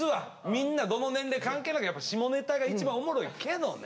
みんなどの年齢関係なくやっぱ下ネタが一番おもろいけどね。